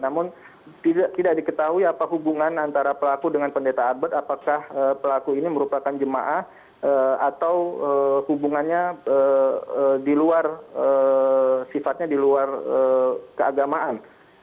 namun tidak diketahui apa hubungan antara pelaku dengan pendeta albert apakah pelaku ini merupakan jemaah atau hubungannya di luar sifatnya di luar keagamaan